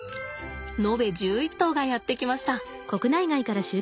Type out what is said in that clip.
延べ１１頭がやって来ました。